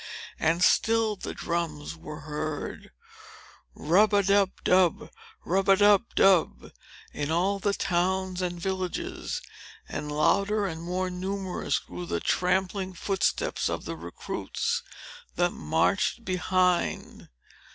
And still the drums were heard—Rub a dub dub! Rub a dub dub!—in all the towns and villages; and louder and more numerous grew the trampling footsteps of the recruits that marched behind.